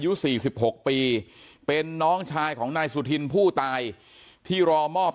ที่เกิดเกิดเหตุอยู่หมู่๖บ้านน้ำผู้ตะมนต์ทุ่งโพนะครับที่เกิดเกิดเหตุอยู่หมู่๖บ้านน้ำผู้ตะมนต์ทุ่งโพนะครับ